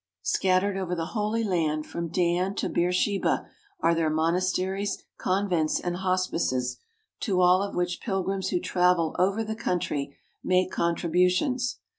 Scattered over the Holy Land from Dan to Beersheba are their monasteries, convents, and hospices, to all of which pilgrims who travel over the country make contributions.